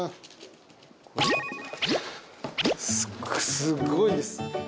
すごいです。